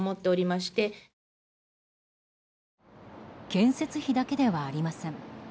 建設費だけではありません。